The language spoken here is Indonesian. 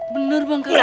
bener bang kalah